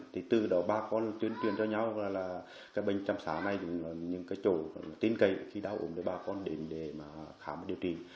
thì từ đó bà con tuyên truyền cho nhau là các bệnh chăm sóc này những cái chỗ tin cậy khi đau ốm để bà con đến để khám và điều trị